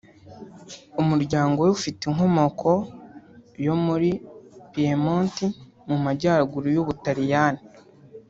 umuryango we ufite inkomoko yo muri Piemont mu majyaruguru y’u Butaliyani